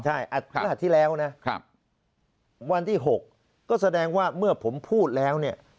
ใช่พฤหัสที่แล้วนะวันที่๖ก็แสดงว่าเมื่อผมพูดแล้วเนี่ย